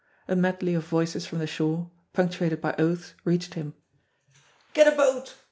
A medley of voices from the shore, punctuated by oaths, reached him : "Get a boat.